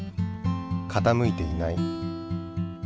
傾いていない。